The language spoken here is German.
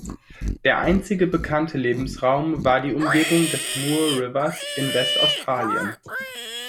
Der einzige bekannte Lebensraum war die Umgebung des Moore Rivers in West-Australien.